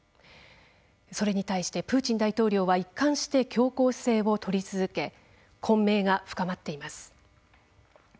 それに対してプーチン大統領は一貫して強硬姿勢をとり続け混迷が深まっています。